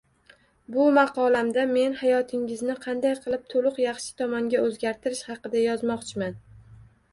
Bu maqolamda men hayotingizni qanday qilib to’liq yaxshi tomonga o’zgartirish haqida yozmoqchiman